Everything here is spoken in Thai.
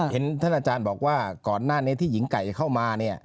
เห็นท่านอาจารย์บอกว่าก่อนหน้านี้ที่หญิงไก่เข้ามาเนี่ย